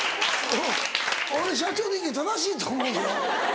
俺社長の意見正しいと思うよ。